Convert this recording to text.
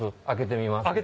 開けてみます？